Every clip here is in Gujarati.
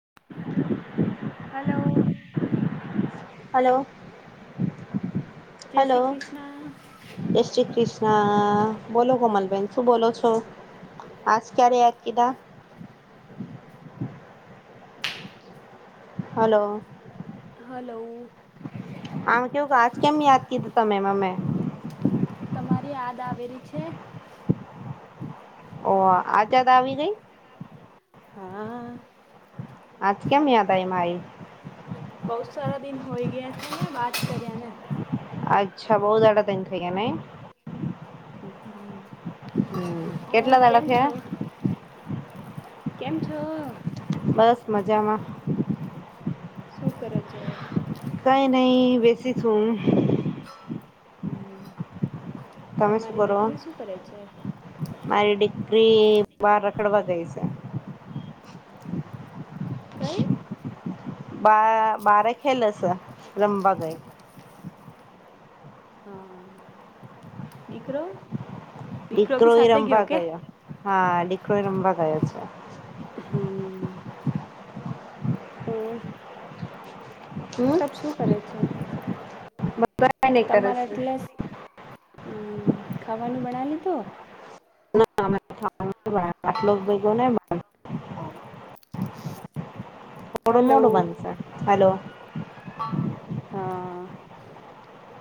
[inaudible] હલો. હલો જય હલો શ્રી કૃષ્ણ જે શ્રી ક્રિષણ- - હા બોલો કોમલબેન શું બોલો છો. આજ ક્યા્યારેદ કીધા. હલો હલો આમ કેવું કજ કેમ યાદ કીધું તમેમાં મેં તમારી યાદ આવેલી છે. ઓ આ ત્યા તો આવી ગઈ? હા. આજ કેમ મેયાદાય માાઈ? બહુત સારા દિન હોય ગયા ને વાત કર્યાને- - અચ્છા બહુ દડા દન થ નહી. હ હમ- - કેટલા તળખ્યા? કેમ છો? બસ મજામાં. શું કરો છો? કઈ નહી બેસી છુ. હમ તમે શું તમારી કરો દીકરી શું કરે છે? ફ્રી બાર રખડવા ગઈ છે. કઈ? બ બાર ખેલસ રમવા ગઈ. હા દીકરો? દીકરો બી એ સાથે રમવા કે ગયો હા દીકરો એ રમવા ગયો છે. હ ઓ સ હમ શું કરે છે બને કર તમારા એટલે હમ ખાવાનું બના લી તોો ના આટલોક બેગને મોડ હલો મોડ મન છે હલો હા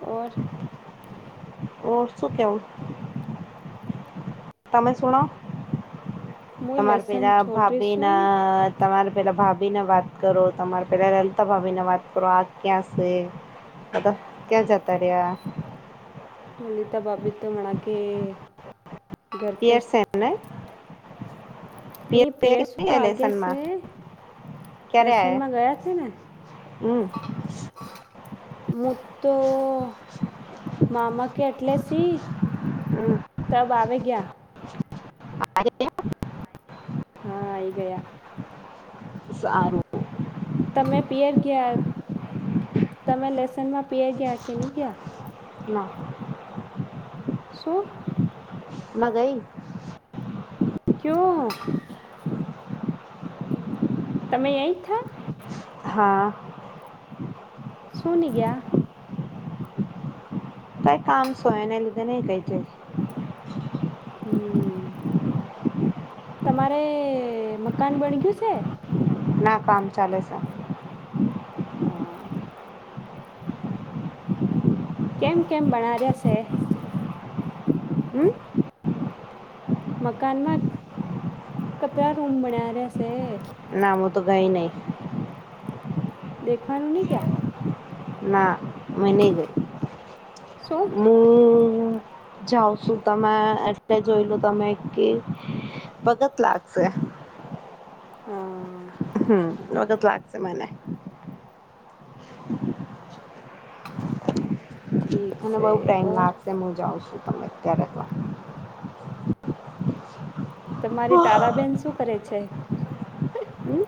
ઓર ઓળ શું કેમ તમે સુણો તમારે પે ના ભાભી ના તમારે પેલા ભાભી ને વાત કરો તમારે પેલા રલતા ભાભીને વાત કરો આ ક્યાં છે અદ કે જાત રહિયા લલિતા બાબી તો મણ કે યરસેના એને પયરસું તો આગે છે લેસનમાં ક્યારે લસનમાં આયા ગયા છે ને હમ મુદુ મા અમ કે એટલેસી તબ આવે ગયા આરે હા આવીઈ ગયા સારું તમે પયર ગયા તમે લસનમાં પિયર ગયા કે નહી ગયા ના સુૂ ના ગઈ કુ તમે એય થા હા શુંન ગયા કઈ કામ સોયને લીધે નહી કઈ છે હમ, તમારે મકાન બણગયું છે ના કામ ચાલે છે હા કેમ કેમ બના જ્યાશે હમ મકાનમાં કચરા ર ઉમનાશે નામું તો ગઈ નહી. દેખાયુ નહી ક્યા ના મને ગઈ શું હું જાવ છું તમે એટલે જોઈ લો તમે કે બચત લાગશે હા હમ વગત લાગશે મને ઠીક મ છે બઉુ ટાઈમ ઓર લાગશે હું જાઉં છું તમે અત્યારે પણ તમારી તારાબેન શું કરે છે હમ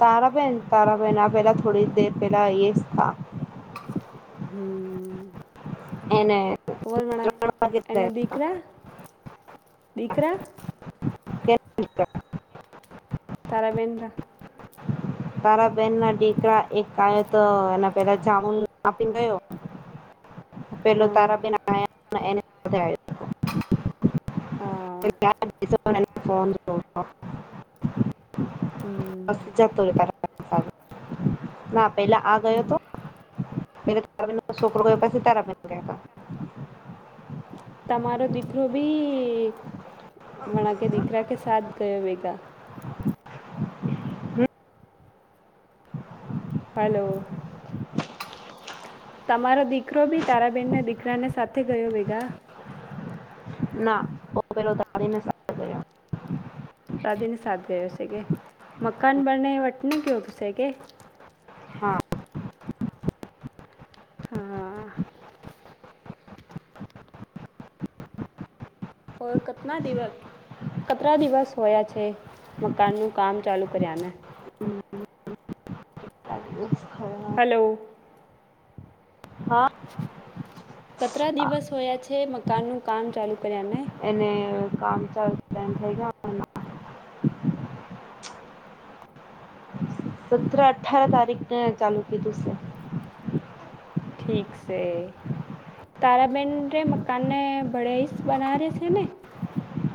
તારાબેન તારાબેન આ પેલા થોડી દેર પેલા એ થ એને ઓલ મના ત્રણ વાગે ગયા. એના દીકરા દીકરા [inaudible] તારાબેન રા તારાબેન ના દીકરા એક કાય તો એના પેલા જામુન આપીને ગયો [inaudible] પેલા હા તારાબેન આયા એની સાથે હા આવ્યો હતો ફો. [inaudible] હમ જતોય ના પેલા આ ગયો હતો મે તારા સોપ પાસે તારાબેન કતા. તમારો દીકરો ભી વણા કે દીકરા કે સાથ ગયો વેગા હ [inaudible] હલો તમારો દીકરો બી તારાબેનના દીકરાને સાથે ગયો ભેગા ના પેલોને ગ રાાધીને સાથ ગયો છે કે મકાન બને વટ ન ગયોગશે કે હા હા ઓ કેતના દિવસ કેટલા દિવસ હોયા છે મકાનનું કામ ચાલુ કર્યાને હ હલો હા કેટલા હા દિવસ હોયા છે મકાન નું કામ ચાલુ કર્યાને એને કામ ચાલ ટમ થ ગ સત અઠાર તારીખને ચાલુ કીધું છે ઠીક છે તારાબેન ર મકાનને ભળેહસ બના રહે છે ને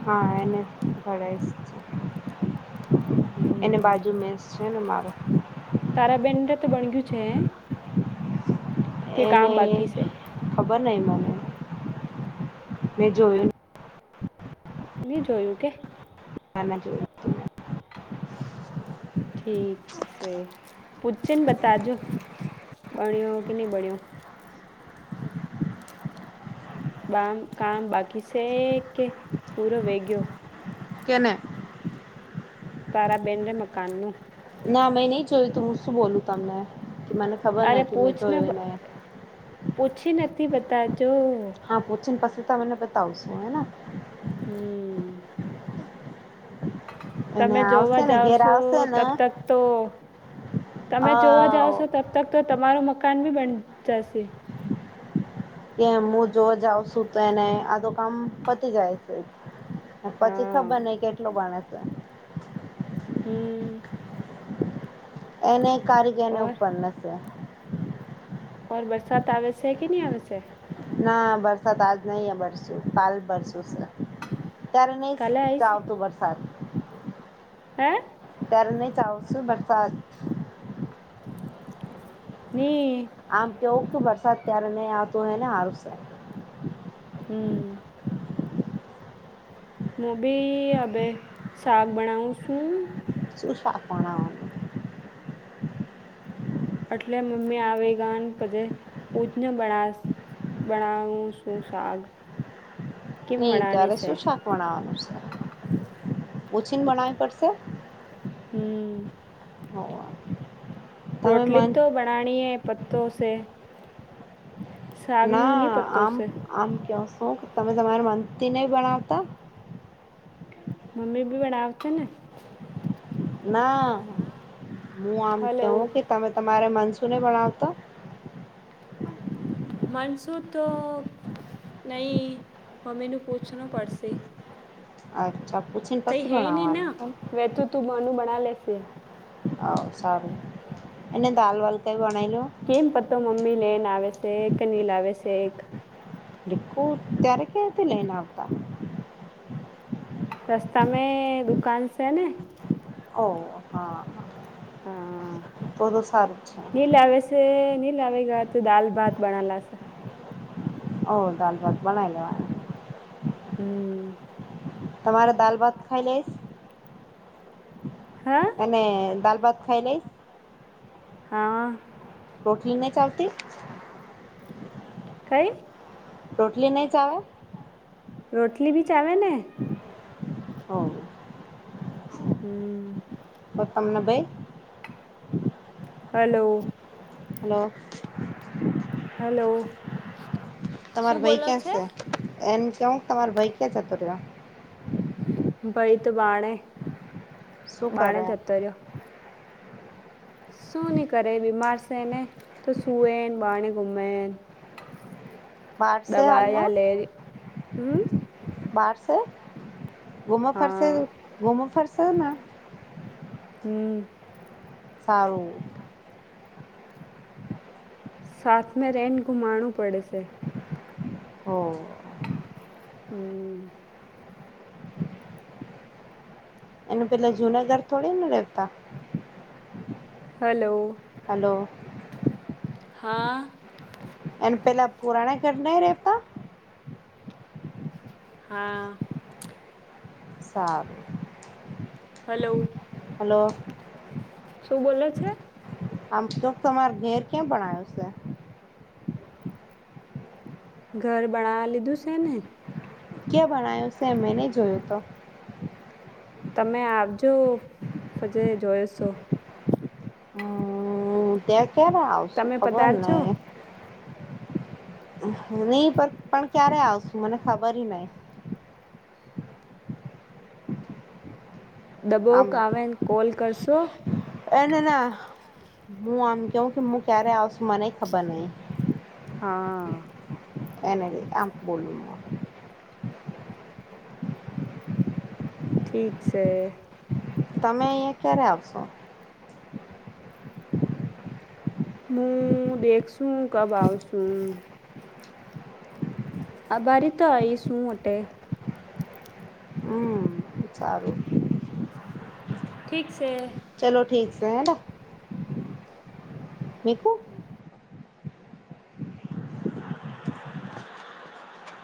હા એને ભઈ છે એને હમ બાજુ મેસ છે ને મારો તારાબેન રે તો બની ગયું છે હે? કે કામ બાકી છે બ ન મને મેં જોયું મે જોયું કે જો ઠીક છે પૂછછ ને બતાજો બણ્યો કે નહીં બણ્યો બામ કામ બાકી છેે કે પૂરો વેગયો કેને તારાબેન મકાનનું ના મેં નહી જોયું તું હું શું બોલું તમને કે મને ખબર અરે નથી મેં પૂછને જોયું બ- એને પૂછી નથી બતા હા પોછન પાછી તને બતાવ છો હે હમ્ એને તમે આવશે જોવા ને જાવ ઘેર છો આવશે ને તબતક તો તમે અ જોવા જાવ છો તબ તક તો તમારું મકાન ભી બન જશે કે હું જોવા જઉં છું તો એને આધો કામ પતી જાય છે પછી હા ખબર નહ કેટલું ગણે છે હમ એને કારીગરને ઓર ઉપર હશે ઓર બરસાત આવે છે કે નહી આવે છે ના બરસાત આજ નહીં હ બરસું પાાલ ભરસું સર ત્યારે નહી કાલે ચ આવી છે આવતું વરસાદ હે ત્યારે નહી ચ આવત સુ બરસાત ની આમ કેવું કે વરસાદ ક્યારે નહી આવતો હોય ને હારું છે હમ મો બી હ શાક બનાવું શું સુુંશ સાગ બનવા એટલે મમ્મી આવે ગ પધે પૂછને બનાસ બનાઉું શું સાાગ નહી ત્યારે શું શાક વણવાનું છે ઓછીને બણવી પડશે હમ હો રોટલી તો બનાણીનીએ પત્તો છે શાકનું નહીં ના પત્તો આમ છે આમ ક્યા હું તમે તમારા મંતી નહી ભણાવતા મ્મી ભી બડા આવ છે ના હું આમ હલો કવું કે તમે તમારે મન ને પણ આવતા માનસો તો નહી મ્મી ન પૂછના પડશે અચ્છા પૂછીને કઈ પછી હે નહી ના ભણાવવાનું વે તો તું માનું બના લેશે હ સારું એને દાલ વલતા કેમ પતો મમ્મી લેન આવે છે એકનલ આવે છે એક દખુ ત્યારેખતે લઈનાવતા રસ્તામાં દુકાન છે ને ઓ હા હા તો તો સારું છે નીલવેશેલ લ ગ દાલ ભાત બનાલા ઓ દાલ ભત બના લેવા હમ તમારે દાલ ભાત ખાઈ લઈશ હા અને દાલ ભાત ખાઈ લઈશ હા ઠલી ન ચાલતી કઈ રોટલી નહી ચ આવે રોટલી બી ચાવેને હ હમ તનબબે હલો હલો હલો તમાર શું ભાઈ બોલો ક્યાં છે એમ કેવું તમાર ભાઈ ક્યાં જતો રહ્યો ભઈ તો બાણે શું બાણે કરે ચતર શું નહી કરે બીમાર છે ને તો સુવે બાણે ગુમે બહાર છે દવા હાલમાં લેરી હ બહાર છે ઘૂમો ફરશે હા ઘૂમો ફરશે ના હમ સારું શાખ મે રેન ગુમાણું પડે સે. ઓહ! હમ એનું પેલા જુનાગઢ થોડીન રેતા હલો હલો હા એન પેલા પુરાણે ઘર નહીં રેતા હા સારું હલો હલો હલો શું બોલે છે? આમ તો તમાર ઘેર ક્યાં બણાયું સે? ઘર બળાવા લીધું સે ને ક્યાં ભણાયું સે મેં ની જોયું તો તમે આવજો પજે જોઈશો અમ ત્યાં ક્યારે આવશું તમે ખબર પધારજો નઈ નહી પણ પણ ક્યારે આવશુ મને ખબર ની હોય [inaudible] આમ દબોક આવેને કોલ કરશો? એને ના મું આમ કેવ કે મું ક્યારે આવશું મને ખબર નહીં. હા એને આમ બોલું ના ઠીક સે તમે અહિયાં ક્યારે આવશો? મું દેખસું કબ આવશું. અભારી તો આઈસ હું અટે એ છારું ઠીક સે ચલો ઠીક સે હેના. મીકું?